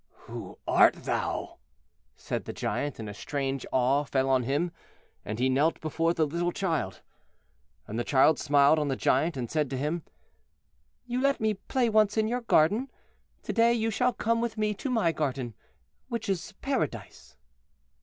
"Who art thou?" said the Giant, and a strange awe fell on him, and he knelt before the little child. And the child smiled on the Giant, and said to him, "You let me play once in your garden, to day you shall come with me to my garden, which is Paradise."